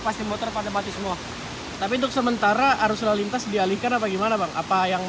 pasti motor pada mati semua tapi untuk sementara arus lalu lintas dialihkan apa gimana bang apa yang